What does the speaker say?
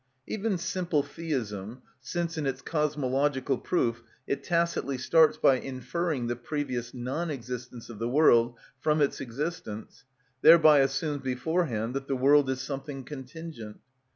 Even simple Theism, since in its cosmological proof it tacitly starts by inferring the previous non existence of the world from its existence, thereby assumes beforehand that the world is something contingent.